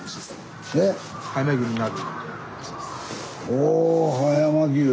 おお葉山牛！